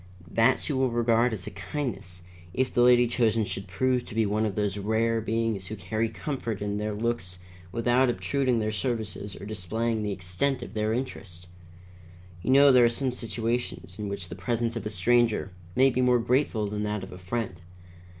That she will regard as a kindness, if the lady chosen should prove to be one of those rare beings who carry comfort in their looks without obtruding their services or displaying the extent of their interest. You know there are some situations in which the presence of a stranger may be more grateful than that of a friend.